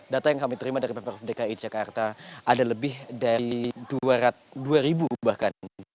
data yang kami terima dari pemprov dki jakarta ada lebih dari dua ribu bahkan